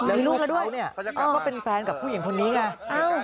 มีลูกแล้วด้วยเนี่ยก็เป็นแฟนกับผู้หญิงคนนี้ไง